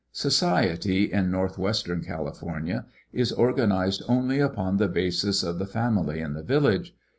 Society in northwestern California is organized only upon the basis of the family and the village.